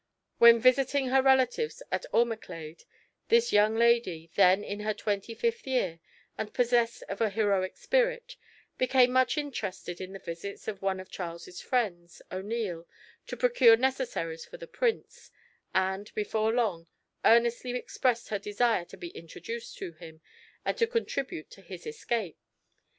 When visiting her relatives at Ormaclade, this young lady, then in her twenty fifth year, and possessed of a heroic spirit, became much interested in the visits of one of Charles's friends, O'Neil, to procure necessaries for the prince, and, before long, earnestly expressed her desire to be introduced to him, and to contribute to his escape.